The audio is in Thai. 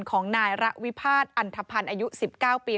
ของนายระวิพาทอันทพันธ์อายุ๑๙ปี